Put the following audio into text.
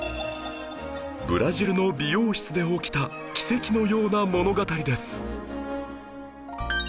ブラジルの美容室で起きた奇跡のような物語です